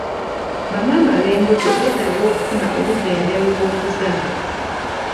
Bamaama ab'embuto beetaaga okufuna obujjanjabi bw'okuzaala.